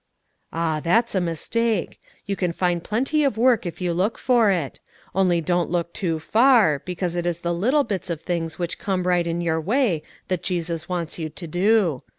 "Ah, that's a mistake! you can find plenty of work if you look for it; only don't look too far, because it is the little bits of things which come right in your way that Jesus wants you to do.